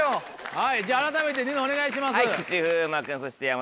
じゃああらためてニノお願いします。